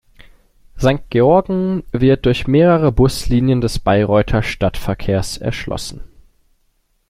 Sankt Georgen wird durch mehrere Buslinien des Bayreuther Stadtverkehrs erschlossen.